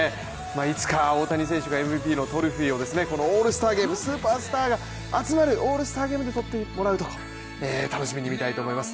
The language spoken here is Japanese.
いつか大谷選手がＭＶＰのトロフィーをこのスーパースターが集まるオールスターゲームでとってもらうと、楽しみに見たいと思います。